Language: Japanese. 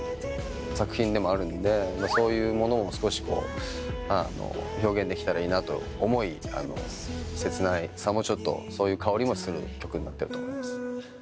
そういうものも少し表現できたらいいなと思い切なさもちょっとそういう薫りもする曲になってると思います。